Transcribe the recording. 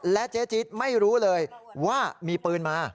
เจ๊จี๊ดไม่รู้เลยว่ามีปืนมา